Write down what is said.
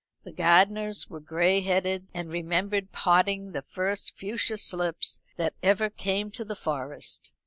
The gardeners were gray headed, and remembered potting the first fuchsia slips that ever came to the Forest.